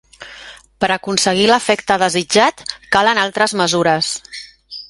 Per aconseguir l'efecte desitjat, calen altres mesures.